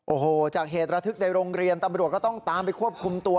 โอ้โหจากเหตุระทึกในโรงเรียนตำรวจก็ต้องตามไปควบคุมตัว